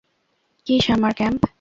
কি summer camp?